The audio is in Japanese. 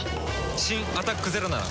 新「アタックＺＥＲＯ」なら。